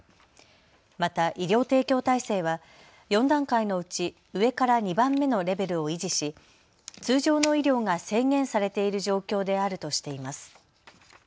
また医療提供体制は４段階のうち上から２番目のレベルを維持し通常の医療が制限されている状況であるとしています。